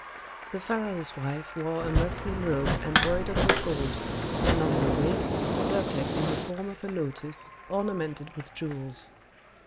The pharaoh's wife wore a muslin robe embroidered with gold, and on her wig a circlet in the form of a lotus, ornamented with jewels.